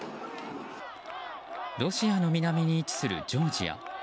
ロシアの南に位置するジョージア。